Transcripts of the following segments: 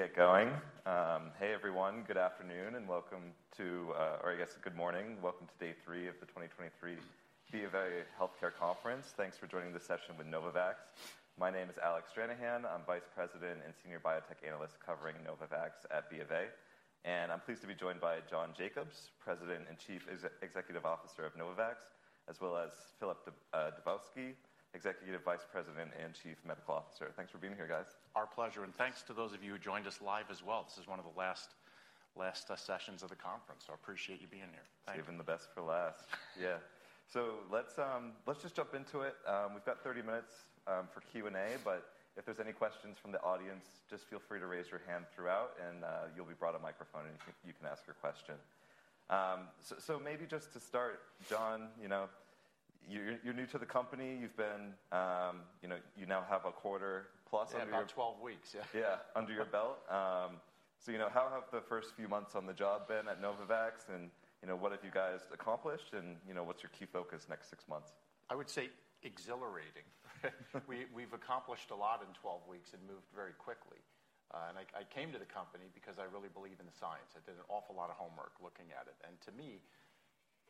Get going. Hey everyone, good afternoon and welcome to, or I guess good morning. Welcome to day three of the 2023 BofA Healthcare conference. Thanks for joining this session with Novavax. My name is Alec Stranahan. I'm Vice President and Senior Biotech Analyst covering Novavax at BofA. I'm pleased to be joined by John Jacobs, President and Chief Executive Officer of Novavax, as well as Filip Dubovsky, Executive Vice President and Chief Medical Officer. Thanks for being here, guys. Our pleasure. Thanks to those of you who joined us live as well. This is one of the last sessions of the conference. I appreciate you being here. Thank you. Saving the best for last. Yeah. Let's, let's just jump into it. We've got 30 minutes for Q&A, but if there's any questions from the audience, just feel free to raise your hand throughout, and you'll be brought a microphone, and you can, you can ask your question. So, maybe just to start, John, you know, you're new to the company. You've been, you know, you now have a quarter plus under your- Yeah, about 12 weeks. Yeah. Yeah. Under your belt. You know, how have the first few months on the job been at Novavax, and, you know, what have you guys accomplished, and, you know, what's your key focus next six months? I would say exhilarating. We've accomplished a lot in 12 weeks and moved very quickly. I came to the company because I really believe in the science. I did an awful lot of homework looking at it. To me,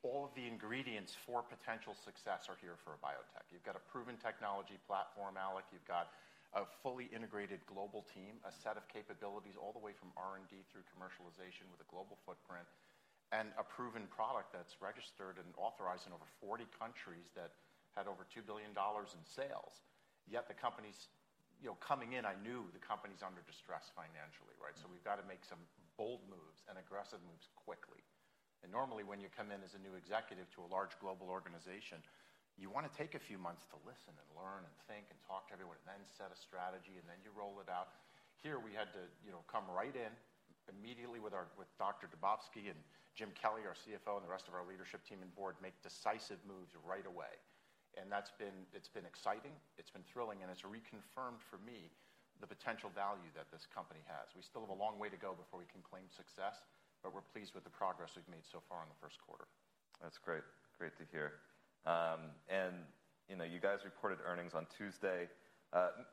all of the ingredients for potential success are here for a biotech. You've got a proven technology platform, Alec. You've got a fully integrated global team, a set of capabilities all the way from R&D through commercialization with a global footprint, and a proven product that's registered and authorized in over 40 countries that had over $2 billion in sales. Yet the company's... You know, coming in, I knew the company's under distress financially, right? We've got to make some bold moves and aggressive moves quickly. Normally, when you come in as a new executive to a large global organization, you wanna take a few months to listen and learn and think and talk to everyone and then set a strategy, and then you roll it out. Here, we had to, you know, come right in immediately with Dr. Dubovsky and Jim Kelly, our CFO, and the rest of our leadership team and board, make decisive moves right away. It's been exciting, it's been thrilling, and it's reconfirmed for me the potential value that this company has. We still have a long way to go before we can claim success, but we're pleased with the progress we've made so far in the first quarter. That's great. Great to hear. You know, you guys reported earnings on Tuesday.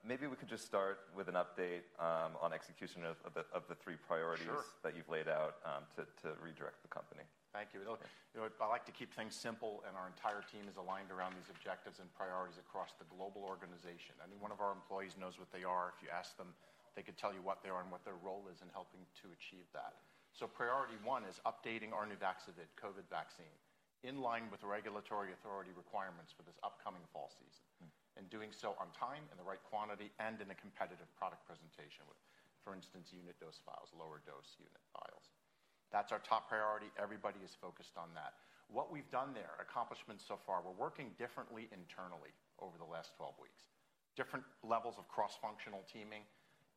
Maybe we could just start with an update on execution of the, of the three priorities- Sure that you've laid out, to redirect the company. Thank you. Yeah. You know, I like to keep things simple. Our entire team is aligned around these objectives and priorities across the global organization. Any one of our employees knows what they are. If you ask them, they could tell you what they are and what their role is in helping to achieve that. Priority one is updating our Nuvaxovid COVID vaccine in line with regulatory authority requirements for this upcoming fall season. Mm-hmm. Doing so on time, in the right quantity, and in a competitive product presentation with, for instance, unit dose vials, lower dose unit vials. That's our top priority. Everybody is focused on that. What we've done there, accomplishments so far, we're working differently internally over the last 12 weeks. Different levels of cross-functional teaming.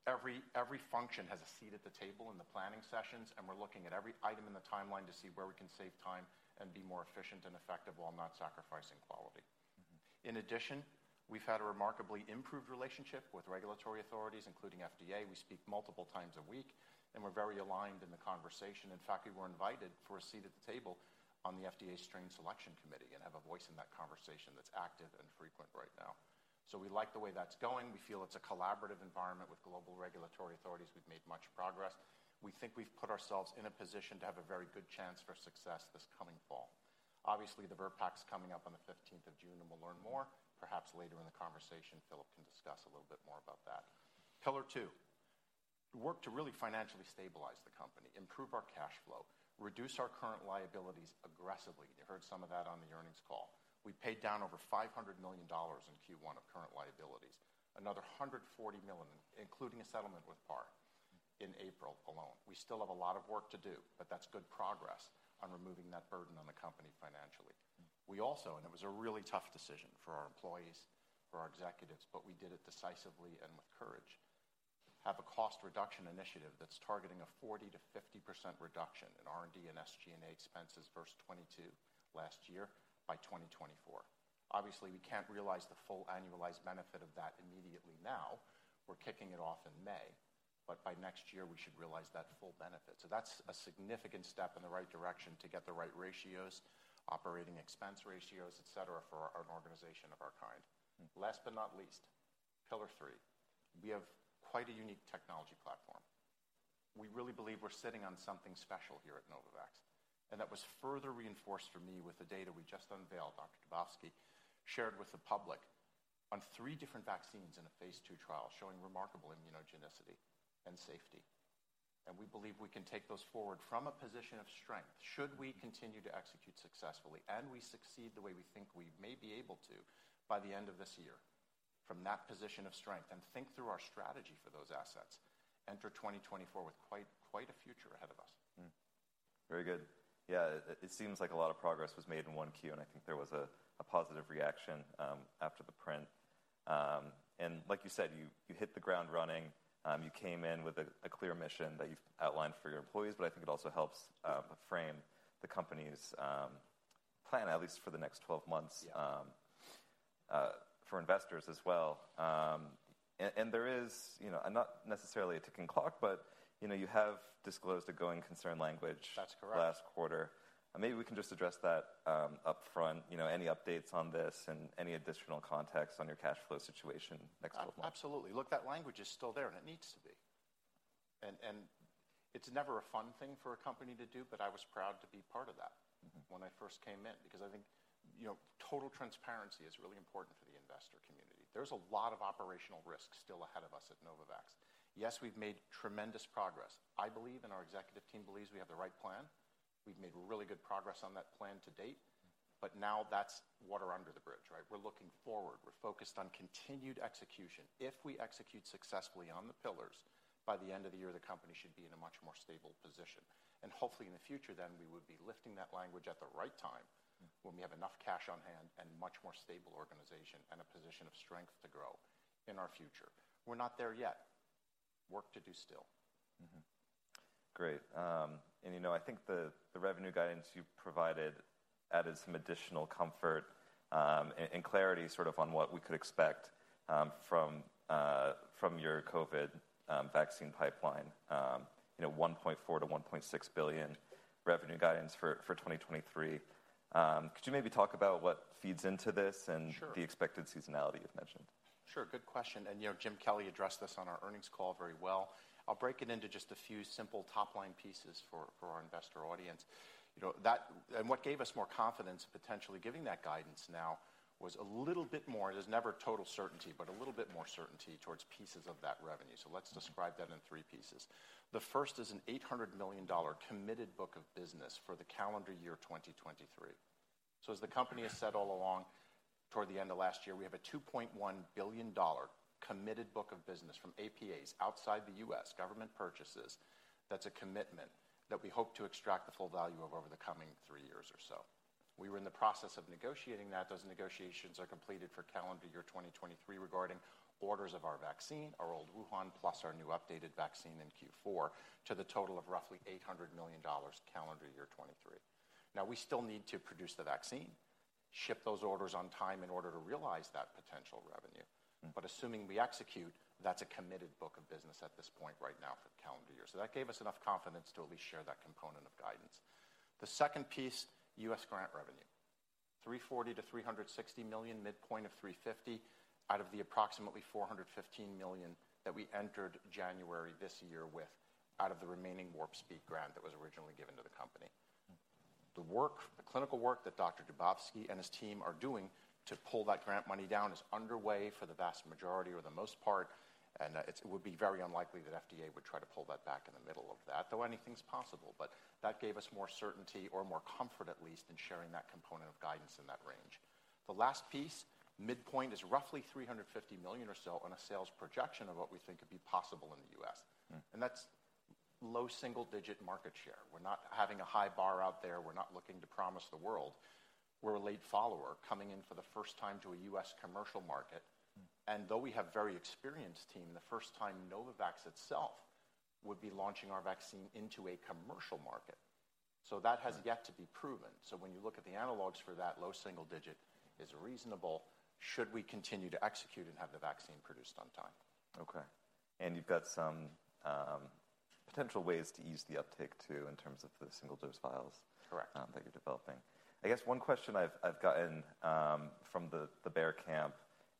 Every function has a seat at the table in the planning sessions, and we're looking at every item in the timeline to see where we can save time and be more efficient and effective while not sacrificing quality. Mm-hmm. In addition, we've had a remarkably improved relationship with regulatory authorities, including FDA. We speak multiple times a week, and we're very aligned in the conversation. In fact, we were invited for a seat at the table on the FDA strain selection committee and have a voice in that conversation that's active and frequent right now. We like the way that's going. We feel it's a collaborative environment with global regulatory authorities. We've made much progress. We think we've put ourselves in a position to have a very good chance for success this coming fall. Obviously, the VRBPAC's coming up on June 15th, and we'll learn more. Perhaps later in the conversation, Filip can discuss a little bit more about that. Pillar two, work to really financially stabilize the company, improve our cash flow, reduce our current liabilities aggressively. You heard some of that on the earnings call. We paid down over $500 million in Q1 of current liabilities, another $140 million, including a settlement with Par Pharmaceutical in April alone. We still have a lot of work to do, but that's good progress on removing that burden on the company financially. Mm. We also, and it was a really tough decision for our employees, for our executives, but we did it decisively and with courage, have a cost reduction initiative that's targeting a 40%-50% reduction in R&D and SG&A expenses versus 2022 last year by 2024. Obviously, we can't realize the full annualized benefit of that immediately now. We're kicking it off in May. By next year, we should realize that full benefit. That's a significant step in the right direction to get the right ratios, operating expense ratios, et cetera, for an organization of our kind. Mm. Last but not least, pillar three. We have quite a unique technology platform. We really believe we're sitting on something special here at Novavax, and that was further reinforced for me with the data we just unveiled. Dr. Dubovsky shared with the public on three different vaccines in a phase II trial showing remarkable immunogenicity and safety. We believe we can take those forward from a position of strength should we continue to execute successfully, and we succeed the way we think we may be able to by the end of this year, from that position of strength, and think through our strategy for those assets, enter 2024 with quite a future ahead of us. Very good. It seems like a lot of progress was made in 1Q. I think there was a positive reaction after the print. Like you said, you hit the ground running. You came in with a clear mission that you've outlined for your employees. I think it also helps frame the company's plan at least for the next 12 months. Yeah... for investors as well. There is, you know, and not necessarily a ticking clock, but, you know, you have disclosed a going concern language. That's correct.... last quarter. Maybe we can just address that upfront, you know, any updates on this and any additional context on your cash flow situation next 12 months. Absolutely. Look, that language is still there, and it needs to be. It's never a fun thing for a company to do, but I was proud to be part of that. Mm-hmm... when I first came in because I think, you know, total transparency is really important for the investor community. There's a lot of operational risk still ahead of us at Novavax. Yes, we've made tremendous progress. I believe, and our executive team believes we have the right plan. We've made really good progress on that plan to date. Now that's water under the bridge, right? We're looking forward. We're focused on continued execution. If we execute successfully on the pillars, by the end of the year, the company should be in a much more stable position. Hopefully, in the future then, we would be lifting that language at the right time. Mm-hmm when we have enough cash on hand and much more stable organization and a position of strength to grow in our future. We're not there yet. Work to do still. Great. You know, I think the revenue guidance you provided added some additional comfort, and clarity sort of on what we could expect from your COVID vaccine pipeline, you know, $1.4 billion-$1.6 billion revenue guidance for 2023. Could you maybe talk about what feeds into this? Sure the expected seasonality you've mentioned? Sure. Good question. You know, Jim Kelly addressed this on our earnings call very well. I'll break it into just a few simple top-line pieces for our investor audience. You know, what gave us more confidence potentially giving that guidance now was a little bit more, it is never total certainty, but a little bit more certainty towards pieces of that revenue. Let's describe that in three pieces. The first is an $800 million committed book of business for the calendar year 2023. As the company has said all along, toward the end of last year, we have a $2.1 billion committed book of business from APAs outside the U.S. government purchases. That's a commitment that we hope to extract the full value of over the coming three years or so. We were in the process of negotiating that. Those negotiations are completed for calendar year 2023 regarding orders of our vaccine, our old Wuhan plus our new updated vaccine in Q4, to the total of roughly $800 million calendar year 2023. We still need to produce the vaccine, ship those orders on time in order to realize that potential revenue. Mm-hmm. Assuming we execute, that's a committed book of business at this point right now for the calendar year. That gave us enough confidence to at least share that component of guidance. The second piece, U.S. grant revenue, $340 million-$360 million, midpoint of $350 million, out of the approximately $415 million that we entered January this year with out of the remaining Operation Warp Speed grant that was originally given to the company. Mm-hmm. The work, the clinical work that Dr. Dubovsky and his team are doing to pull that grant money down is underway for the vast majority or the most part, and it would be very unlikely that FDA would try to pull that back in the middle of that, though anything's possible. That gave us more certainty or more comfort at least in sharing that component of guidance in that range. The last piece, midpoint is roughly $350 million or so on a sales projection of what we think could be possible in the U.S. Mm-hmm. That's low single digit market share. We're not having a high bar out there. We're not looking to promise the world. We're a late follower coming in for the first time to a U.S. commercial market. Mm-hmm. Though we have very experienced team, the first time Novavax itself would be launching our vaccine into a commercial market. That has yet to be proven. When you look at the analogs for that, low single digit is reasonable should we continue to execute and have the vaccine produced on time. Okay. You've got some potential ways to ease the uptake too, in terms of the single-dose vials. Correct... that you're developing. I guess one question I've gotten from the bear camp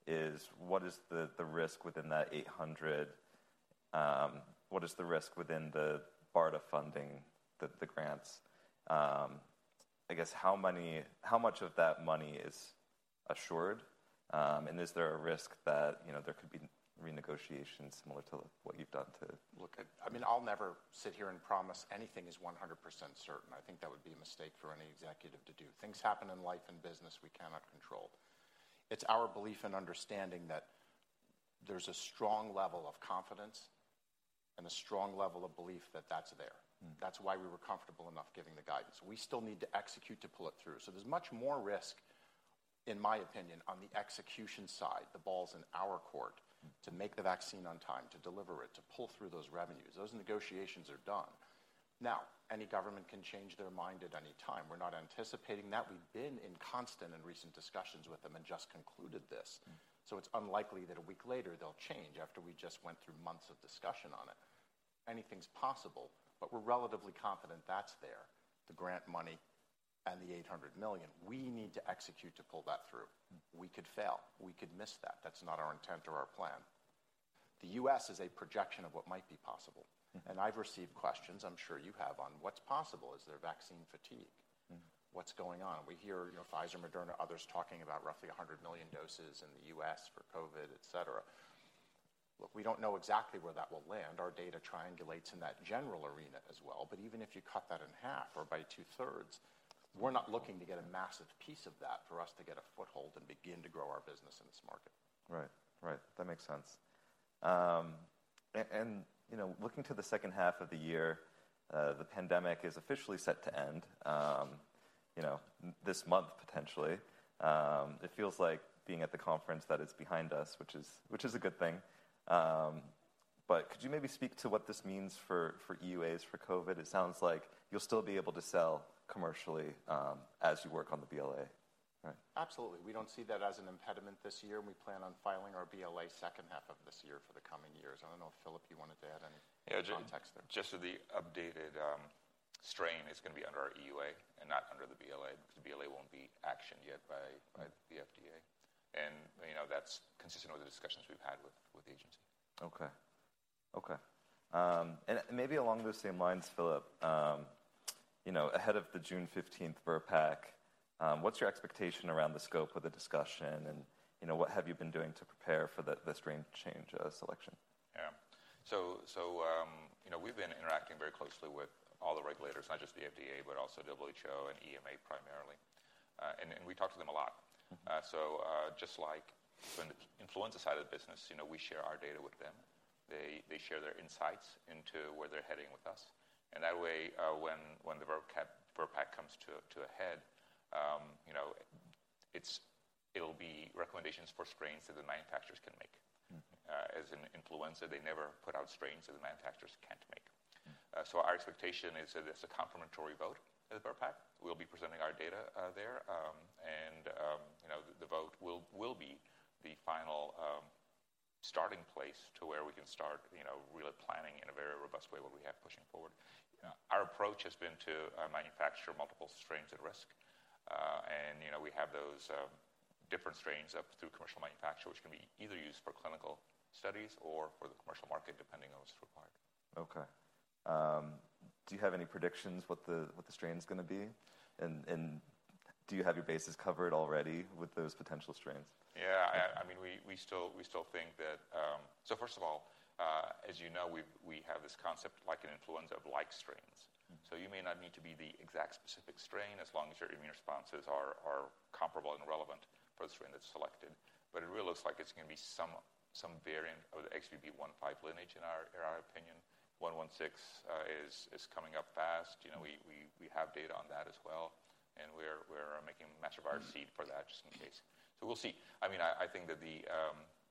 is what is the risk within that $800, what is the risk within the BARDA funding, the grants? I guess how much of that money is assured, and is there a risk that, you know, there could be renegotiations similar to what you've done. Look, I mean, I'll never sit here and promise anything is 100% certain. I think that would be a mistake for any executive to do. Things happen in life and business we cannot control. It's our belief and understanding that there's a strong level of confidence and a strong level of belief that that's there. Mm-hmm. That's why we were comfortable enough giving the guidance. We still need to execute to pull it through. There's much more risk, in my opinion, on the execution side. The ball's in our court. Mm-hmm to make the vaccine on time, to deliver it, to pull through those revenues. Those negotiations are done. Now, any government can change their mind at any time. We're not anticipating that. We've been in constant and recent discussions with them and just concluded this. Mm-hmm. It's unlikely that a week later they'll change after we just went through months of discussion on it. Anything's possible, but we're relatively confident that's there, the grant money and the $800 million. We need to execute to pull that through. Mm-hmm. We could fail. We could miss that. That's not our intent or our plan. The U.S. is a projection of what might be possible. Mm-hmm. I've received questions, I'm sure you have, on what's possible. Is there vaccine fatigue? Mm-hmm. What's going on? We hear, you know, Pfizer, Moderna, others talking about roughly 100 million doses in the U.S. for COVID, et cetera. Look, we don't know exactly where that will land. Our data triangulates in that general arena as well. Even if you cut that in half or by two-thirds, we're not looking to get a massive piece of that for us to get a foothold and begin to grow our business in this market. Right. Right. That makes sense. You know, looking to the second half of the year, the pandemic is officially set to end, you know, this month potentially. It feels like being at the conference that it's behind us, which is a good thing. Could you maybe speak to what this means for EUAs for COVID? It sounds like you'll still be able to sell commercially, as you work on the BLA, right? Absolutely. We don't see that as an impediment this year. We plan on filing our BLA second half of this year for the coming years. I don't know if, Filip, you wanted to add any context there. Yeah. Yeah. Just so the updated strain is going to be under our EUA and not under the BLA because the BLA won't be actioned yet by the FDA. You know, that's consistent with the discussions we've had with the agency. Okay. Okay. Maybe along those same lines, Filip, you know, ahead of the June 15th VRBPAC, what's your expectation around the scope of the discussion and, you know, what have you been doing to prepare for the strain change selection? Yeah. You know, we've been interacting very closely with all the regulators, not just the FDA, but also WHO and EMA primarily. We talk to them a lot. Mm-hmm. Just like from the influenza side of the business, you know, we share our data with them. They share their insights into where they're heading with us. That way, when the VRBPAC comes to a head, you know, it'll be recommendations for strains that the manufacturers can make. Mm-hmm. As in influenza, they never put out strains that the manufacturers can't make. Mm-hmm. Our expectation is that it's a complementary vote at VRBPAC. We'll be presenting our data there, and, you know, the vote will be the final starting place to where we can start, you know, really planning in a very robust way what we have pushing forward. Our approach has been to manufacture multiple strains at risk. You know, we have those different strains up through commercial manufacture, which can be either used for clinical studies or for the commercial market, depending on what's required. Okay. Do you have any predictions what the strain's gonna be? Do you have your bases covered already with those potential strains? Yeah. I mean, we still think that. First of all, as you know, we have this concept like an influenza of like strains. Mm-hmm. You may not need to be the exact specific strain as long as your immune responses are comparable and relevant for the strain that's selected. It really looks like it's gonna be some variant of the XBB.1.5 lineage in our opinion. One one six is coming up fast. You know, we have data on that as well, and we're making a master virus seed for that just in case. We'll see. I mean, I think that the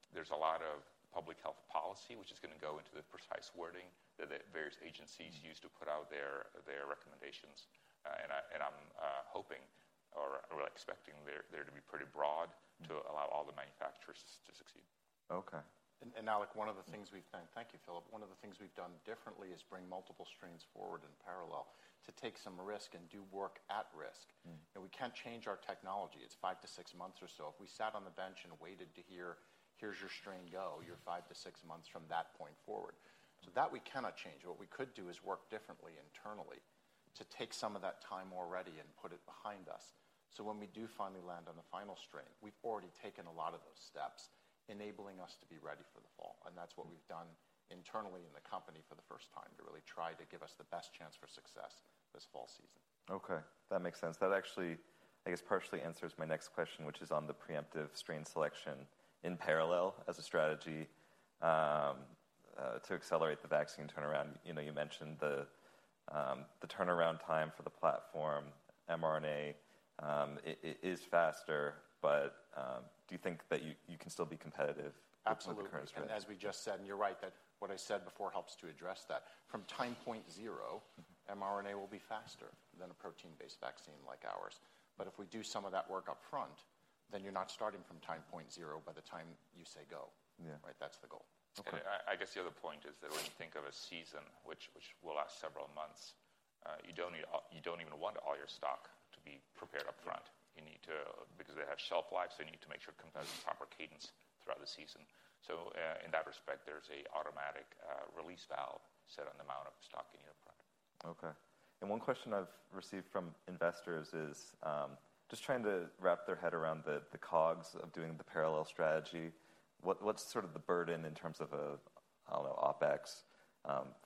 there's a lot of public health policy which is gonna go into the precise wording that the various agencies use to put out their recommendations. I'm hoping or expecting there to be pretty broad to allow all the manufacturers to succeed. Okay. And Alec, Thank you, Filip. One of the things we've done differently is bring multiple strains forward in parallel to take some risk and do work at risk. Mm-hmm. You know, we can't change our technology. It's five to six months or so. If we sat on the bench and waited to hear, "Here's your strain. Go," you're five to six months from that point forward. That we cannot change. What we could do is work differently internally to take some of that time already and put it behind us, so when we do finally land on the final strain, we've already taken a lot of those steps, enabling us to be ready for the fall. That's what we've done internally in the company for the first time to really try to give us the best chance for success this fall season. Okay. That makes sense. That actually, I guess, partially answers my next question, which is on the preemptive strain selection in parallel as a strategy, to accelerate the vaccine turnaround. You know, you mentioned the turnaround time for the platform mRNA, is faster, but do you think that you can still be competitive- Absolutely... with the current strain? As we just said, and you're right, that what I said before helps to address that. From time point zero, mRNA will be faster than a protein-based vaccine like ours. If we do some of that work up front, then you're not starting from time point zero by the time you say go. Yeah. Right? That's the goal. Okay. I guess the other point is that when you think of a season which will last several months, you don't even want all your stock to be prepared up front. You need to. Because they have shelf lives, so you need to make sure it comes at the proper cadence throughout the season. In that respect, there's a automatic release valve set on the amount of stock in your product. Okay. One question I've received from investors is, just trying to wrap their head around the COGS of doing the parallel strategy. What's sort of the burden in terms of, I don't know, OpEx,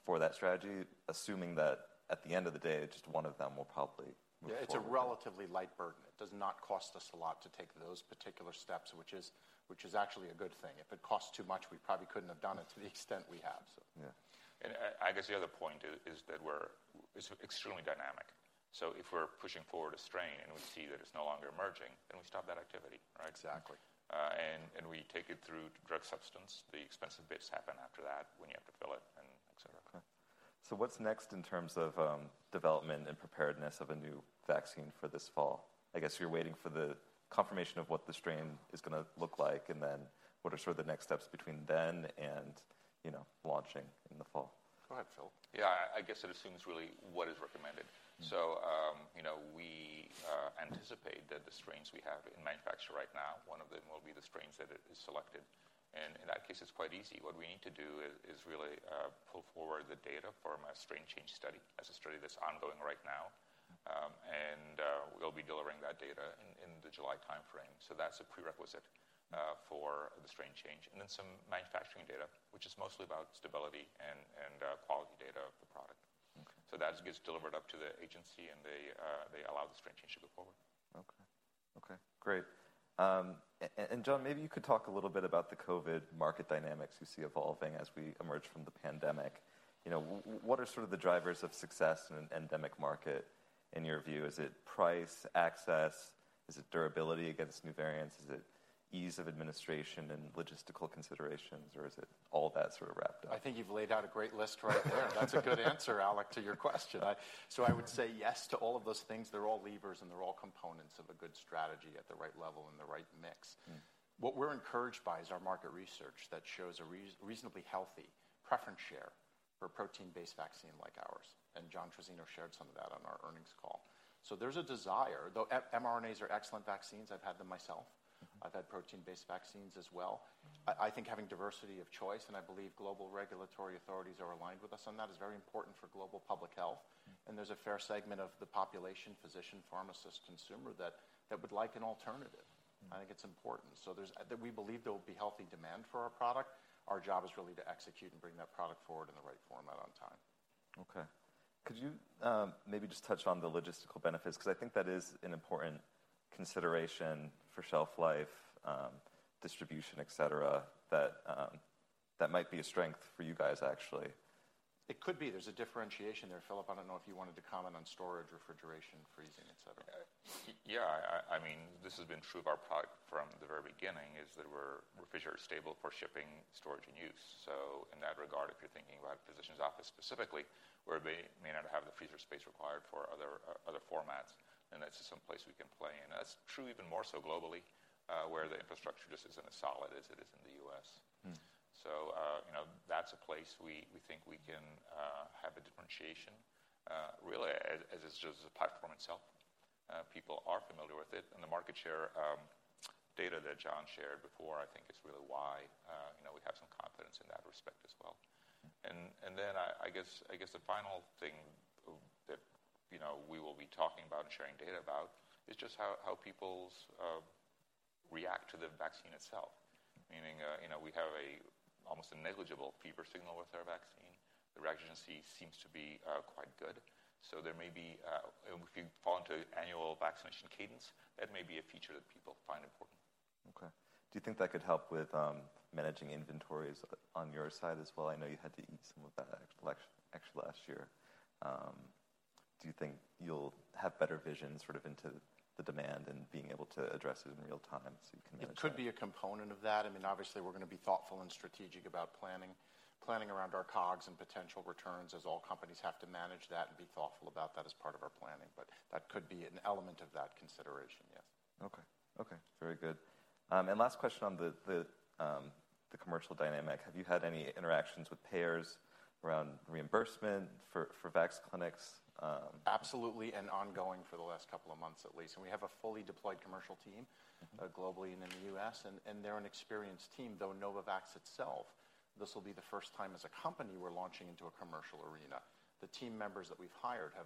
for that strategy, assuming that at the end of the day, just one of them will probably move forward? Yeah. It's a relatively light burden. It does not cost us a lot to take those particular steps, which is actually a good thing. If it cost too much, we probably couldn't have done it to the extent we have. Yeah. I guess the other point is that we're extremely dynamic. If we're pushing forward a strain and we see that it's no longer emerging, we stop that activity, right? Exactly. we take it through to drug substance. The expensive bits happen after that when you have to fill it and etcetera. Okay. What's next in terms of development and preparedness of a new vaccine for this fall? I guess you're waiting for the confirmation of what the strain is gonna look like, and then what are sort of the next steps between then and, you know, launching in the fall? Go ahead, Filip. Yeah. I guess it assumes really what is recommended. Mm-hmm. You know, we anticipate that the strains we have in manufacture right now, one of them will be the strains that is selected. In that case, it's quite easy. What we need to do is really pull forward the data from a strain change study. That's a study that's ongoing right now. We'll be delivering that data in the July timeframe. That's a prerequisite for the strain change. Some manufacturing data, which is mostly about stability and quality data of the product. Okay. That gets delivered up to the agency, and they allow the strain change to go forward. Okay. Okay. Great. John, maybe you could talk a little bit about the COVID market dynamics you see evolving as we emerge from the pandemic. You know, what are sort of the drivers of success in an endemic market in your view? Is it price, access? Is it durability against new variants? Is it ease of administration and logistical considerations, or is it all that sort of wrapped up? I think you've laid out a great list right there. That's a good answer, Alec, to your question. I would say yes to all of those things. They're all levers, and they're all components of a good strategy at the right level and the right mix. Mm-hmm. What we're encouraged by is our market research that shows a reasonably healthy Preference share for protein-based vaccine like ours, and John Trizzino shared some of that on our earnings call. There's a desire. Though mRNAs are excellent vaccines, I've had them myself. Mm-hmm. I've had protein-based vaccines as well. I think having diversity of choice, and I believe global regulatory authorities are aligned with us on that, is very important for global public health. Mm-hmm. There's a fair segment of the population, physician, pharmacist, consumer that would like an alternative. Mm-hmm. I think it's important. That we believe there will be healthy demand for our product. Our job is really to execute and bring that product forward in the right format on time. Okay. Could you maybe just touch on the logistical benefits? 'Cause I think that is an important consideration for shelf life, distribution, et cetera, that might be a strength for you guys, actually. It could be. There's a differentiation there. Filip, I don't know if you wanted to comment on storage, refrigeration, freezing, et cetera. Okay. Yeah. I mean, this has been true of our product from the very beginning, is that we're refrigerator stable for shipping, storage, and use. In that regard, if you're thinking about a physician's office specifically, where they may not have the freezer space required for other formats, then that's just some place we can play. That's true even more so globally, where the infrastructure just isn't as solid as it is in the U.S. Mm-hmm. You know, that's a place we think we can have a differentiation really as it's just the platform itself. People are familiar with it, and the market share data that John shared before, I think is really why, you know, we have some confidence in that respect as well. I guess the final thing that, you know, we will be talking about and sharing data about is just how people's react to the vaccine itself. You know, we have a almost a negligible fever signal with our vaccine. The reactogenicity seems to be quite good. There may be, if you fall into annual vaccination cadence, that may be a feature that people find important. Okay. Do you think that could help with managing inventories on your side as well? I know you had to eat some of that actual last year. Do you think you'll have better vision sort of into the demand and being able to address it in real time so you can manage that? It could be a component of that. I mean, obviously, we're gonna be thoughtful and strategic about planning around our COGS and potential returns, as all companies have to manage that and be thoughtful about that as part of our planning. That could be an element of that consideration, yes. Okay. Okay. Very good. Last question on the commercial dynamic. Have you had any interactions with payers around reimbursement for vax clinics? Absolutely, ongoing for the last couple of months at least. We have a fully deployed commercial team. Mm-hmm ...globally and in the U.S., and they're an experienced team, though Novavax itself, this will be the first time as a company we're launching into a commercial arena. The team members that we've hired have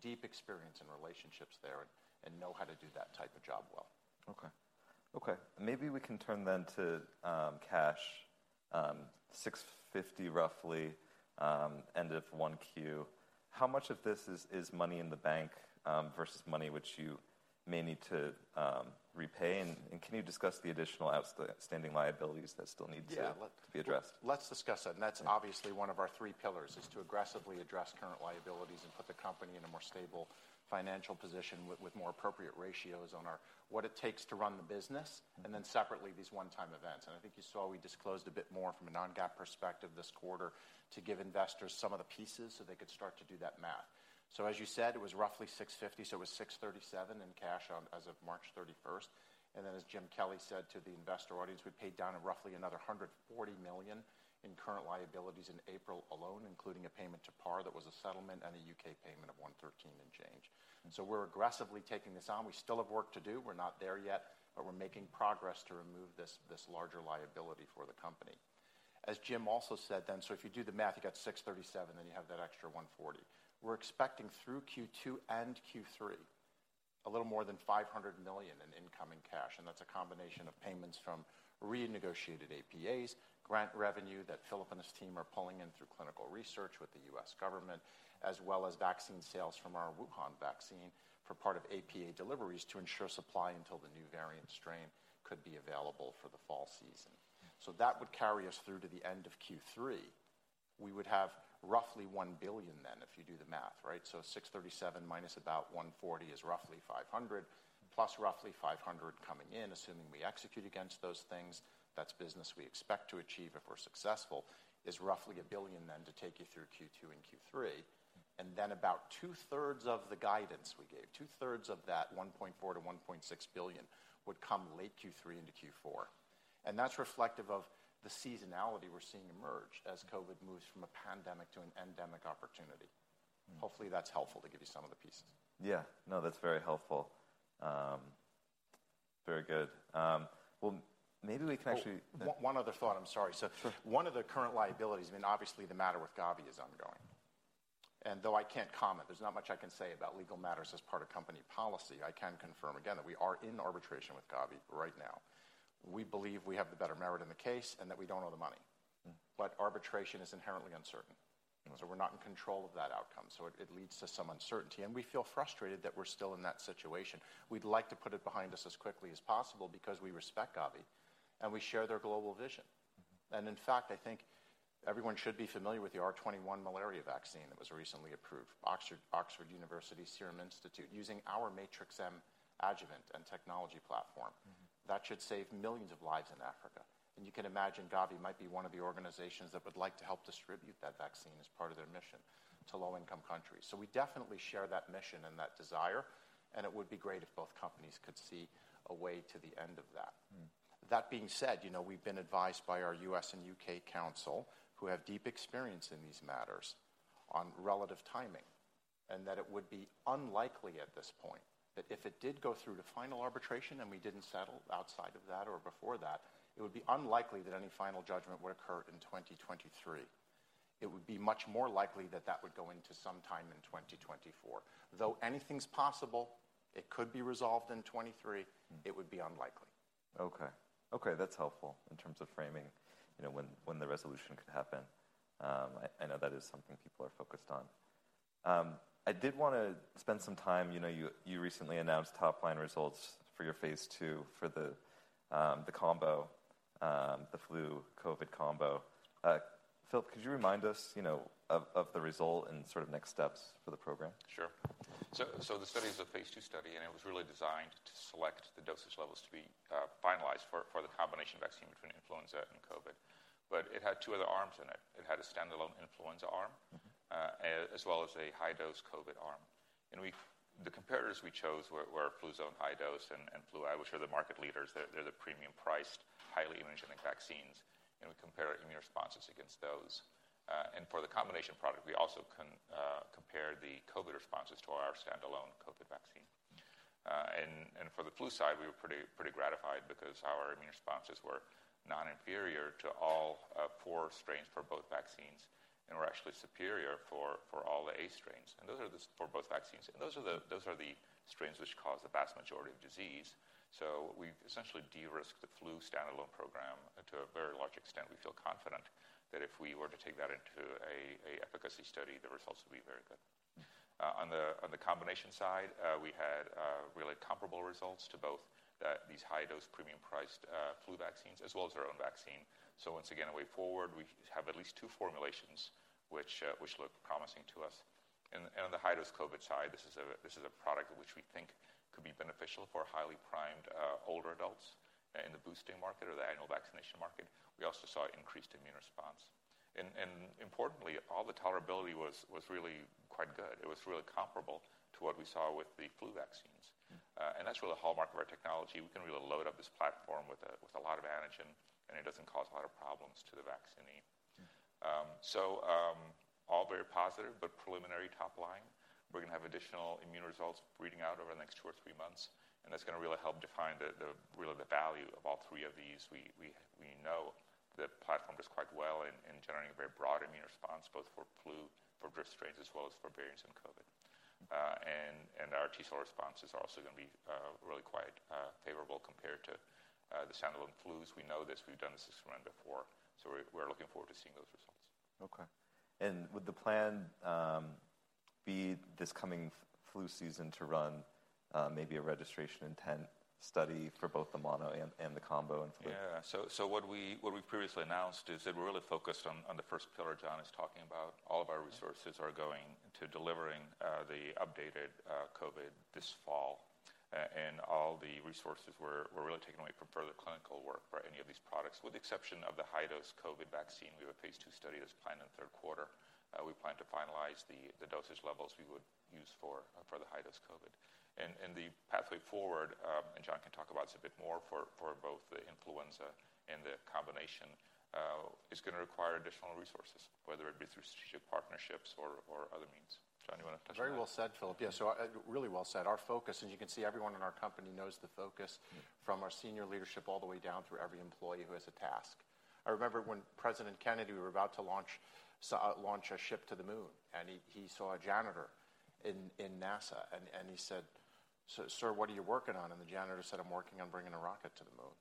deep experience and relationships there and know how to do that type of job well. Okay. Okay. Maybe we can turn then to cash. $650 roughly end of 1Q. How much of this is money in the bank versus money which you may need to repay? Can you discuss the additional outstanding liabilities that still need to. Yeah ...be addressed? Let's discuss that, and that's obviously one of our three pillars, is to aggressively address current liabilities and put the company in a more stable financial position with more appropriate ratios on our, what it takes to run the business. Mm-hmm Separately, these one-time events. I think you saw we disclosed a bit more from a non-GAAP perspective this quarter to give investors some of the pieces so they could start to do that math. As you said, it was roughly $650, so it was $637 in cash on as of March 31st. As Jim Kelly said to the investor audience, we paid down roughly another $140 million in current liabilities in April alone, including a payment to Par that was a settlement and a U.K. payment of 113 in change. We're aggressively taking this on. We still have work to do. We're not there yet, but we're making progress to remove this larger liability for the company. Jim also said then, if you do the math, you got $637, then you have that extra $140. We're expecting through Q2 and Q3 a little more than $500 million in incoming cash, and that's a combination of payments from renegotiated APAs, grant revenue that Philip and his team are pulling in through clinical research with the U.S. government, as well as vaccine sales from our Wuhan vaccine for part of APA deliveries to ensure supply until the new variant strain could be available for the fall season. That would carry us through to the end of Q3. We would have roughly $1 billion then, if you do the math, right? $637 minus about $140 is roughly $500, plus roughly $500 coming in, assuming we execute against those things. That's business we expect to achieve if we're successful, is roughly $1 billion then to take you through Q2 and Q3. About two-thirds of the guidance we gave, two-thirds of that $1.4 billion-$1.6 billion would come late Q3 into Q4. That's reflective of the seasonality we're seeing emerge as COVID moves from a pandemic to an endemic opportunity. Mm-hmm. Hopefully, that's helpful to give you some of the pieces. Yeah. No, that's very helpful. Very good. Well, maybe we can actually. One other thought. I'm sorry. Sure ...one of the current liabilities, I mean, obviously the matter with Gavi is ongoing. Though I can't comment, there's not much I can say about legal matters as part of company policy, I can confirm again that we are in arbitration with Gavi right now. We believe we have the better merit in the case and that we don't owe the money. Mm-hmm. Arbitration is inherently uncertain. Mm-hmm. We're not in control of that outcome, so it leads to some uncertainty, and we feel frustrated that we're still in that situation. We'd like to put it behind us as quickly as possible because we respect Gavi and we share their global vision. Mm-hmm. In fact, I think everyone should be familiar with the R21 malaria vaccine that was recently approved. University of Oxford, Serum Institute of India, using our Matrix-M adjuvant and technology platform. Mm-hmm. That should save millions of lives in Africa. You can imagine Gavi might be one of the organizations that would like to help distribute that vaccine as part of their mission to low-income countries. We definitely share that mission and that desire, and it would be great if both companies could see a way to the end of that. Mm. That being said, you know, we've been advised by our U.S. and U.K. council, who have deep experience in these matters, on relative timing, and that it would be unlikely at this point that if it did go through to final arbitration, and we didn't settle outside of that or before that, it would be unlikely that any final judgment would occur in 2023. It would be much more likely that that would go into some time in 2024. Though anything's possible, it could be resolved in 2023. Mm. it would be unlikely. Okay. Okay, that's helpful in terms of framing, you know, when the resolution could happen. I know that is something people are focused on. I did wanna spend some time, you know, you recently announced top-line results for your phase II for the combo, the flu COVID combo. Filip, could you remind us, you know, of the result and sort of next steps for the program? Sure. The study is a phase II study and it was really designed to select the dosage levels to be finalized for the combination vaccine between influenza and COVID. It had two other arms in it. It had a standalone influenza arm. Mm-hmm. as well as a high-dose COVID arm. The comparators we chose were Fluzone High-Dose and Fluad, which are the market leaders. They're the premium-priced, highly immunogenic vaccines, and we compare immune responses against those. and for the combination product, we also compare the COVID responses to our standalone COVID vaccine. and for the flu side, we were pretty gratified because our immune responses were non-inferior to all four strains for both vaccines and were actually superior for all the A strains. Those are the for both vaccines. Those are the strains which cause the vast majority of disease. We've essentially de-risked the flu standalone program, and to a very large extent, we feel confident that if we were to take that into a efficacy study, the results would be very good. On the combination side, we had really comparable results to both these high-dose premium-priced flu vaccines as well as our own vaccine. Once again, a way forward, we have at least two formulations which look promising to us. On the high-dose COVID side, this is a product which we think could be beneficial for highly primed older adults in the boosting market or the annual vaccination market. We also saw increased immune response. Importantly, all the tolerability was really quite good. It was really comparable to what we saw with the flu vaccines. That's really the hallmark of our technology. We can really load up this platform with a lot of antigen, and it doesn't cause a lot of problems to the vaccinee. All very positive but preliminary top line. We're gonna have additional immune results reading out over the next two or three months, and that's gonna really help define the really the value of all three of these. We know the platform does quite well in generating a very broad immune response, both for flu, for drift strains, as well as for variants in COVID. Our T-cell responses are also gonna be really quite favorable compared to the standalone flus. We know this. We've done this experiment before. We're looking forward to seeing those results. Okay. Would the plan be this coming flu season to run, maybe a registration intent study for both the mono and the combo influenza? So what we've previously announced is that we're really focused on the first pillar John is talking about. All of our resources are going to delivering the updated COVID this fall, and all the resources we're really taking away from further clinical work for any of these products. With the exception of the high-dose COVID vaccine, we have a phase II study that's planned in the third quarter. We plan to finalize the dosage levels we would use for the high-dose COVID. The pathway forward, and John can talk about this a bit more for both the influenza and the combination, is gonna require additional resources, whether it be through strategic partnerships or other means. John, you wanna touch on that? Very well said, Philip. Yeah. Really well said. Our focus, and you can see everyone in our company knows the focus... Mm. -from our senior leadership all the way down through every employee who has a task. I remember when President Kennedy, we were about to launch a ship to the moon, and he saw a janitor in NASA and he said, "Sir, what are you working on?" The janitor said, "I'm working on bringing a rocket to the moon."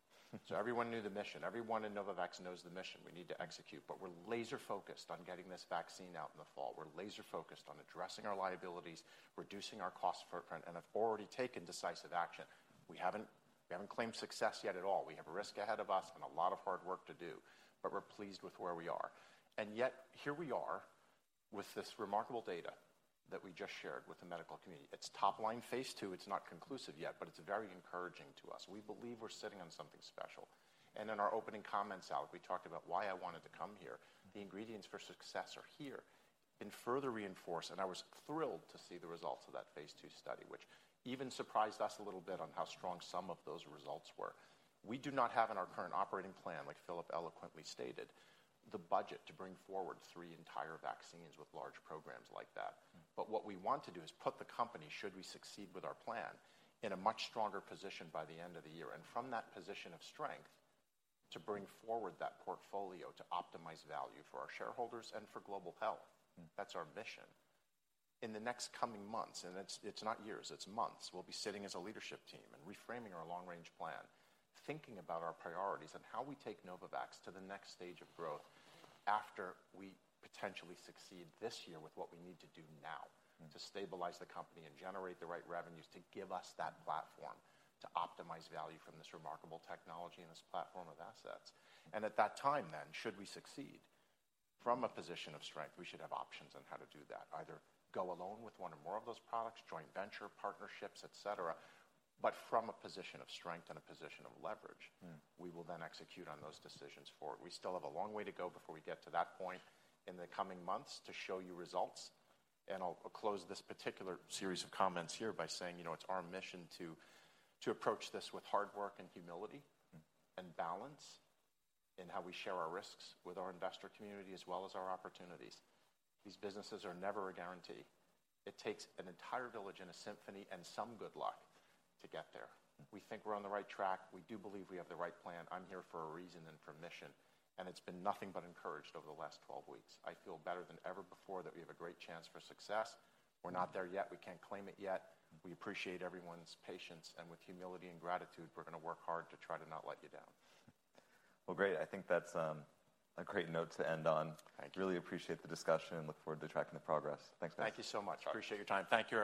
Everyone knew the mission. Everyone in Novavax knows the mission. We need to execute. We're laser-focused on getting this vaccine out in the fall. We're laser-focused on addressing our liabilities, reducing our cost footprint, and have already taken decisive action. We haven't claimed success yet at all. We have a risk ahead of us and a lot of hard work to do, but we're pleased with where we are. Yet, here we are with this remarkable data that we just shared with the medical community. It's top line phase II. It's not conclusive yet, but it's very encouraging to us. We believe we're sitting on something special. In our opening comments, Alec, we talked about why I wanted to come here. The ingredients for success are here and further reinforced, and I was thrilled to see the results of that phase II study, which even surprised us a little bit on how strong some of those results were. We do not have in our current operating plan, like Filip eloquently stated, the budget to bring forward three entire vaccines with large programs like that. What we want to do is put the company, should we succeed with our plan, in a much stronger position by the end of the year, and from that position of strength, to bring forward that portfolio to optimize value for our shareholders and for global health. Mm. That's our mission. In the next coming months, it's not years, it's months, we'll be sitting as a leadership team and reframing our long-range plan, thinking about our priorities and how we take Novavax to the next stage of growth after we potentially succeed this year with what we need to do now to stabilize the company and generate the right revenues to give us that platform to optimize value from this remarkable technology and this platform of assets. At that time then, should we succeed, from a position of strength, we should have options on how to do that, either go alone with one or more of those products, joint venture partnerships, et cetera. From a position of strength and a position of leverage. Mm. we will then execute on those decisions forward. We still have a long way to go before we get to that point in the coming months to show you results. I'll close this particular series of comments here by saying, you know, it's our mission to approach this with hard work and humility. Mm. And balance in how we share our risks with our investor community as well as our opportunities. These businesses are never a guarantee. It takes an entire village and a symphony and some good luck to get there. We think we're on the right track. We do believe we have the right plan. I'm here for a reason and for a mission, and it's been nothing but encouraged over the last 12 weeks. I feel better than ever before that we have a great chance for success. We're not there yet. We can't claim it yet. We appreciate everyone's patience, and with humility and gratitude, we're gonna work hard to try to not let you down. Well, great. I think that's a great note to end on. Thank you. Really appreciate the discussion and look forward to tracking the progress. Thanks, guys. Thank you so much. All right. Appreciate your time. Thank you.